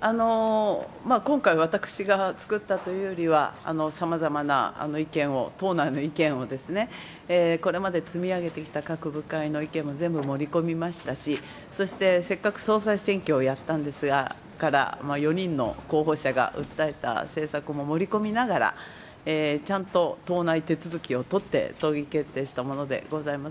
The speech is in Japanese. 今回、私が作ったというよりは、さまざまな意見を、党内の意見を、これまで積み上げてきた各部会の意見も全部盛り込みましたし、そして、せっかく総裁選挙をやったんですから、４人の候補者が訴えた政策も盛り込みながら、ちゃんと党内手続きを取って、党議決定したものでございます。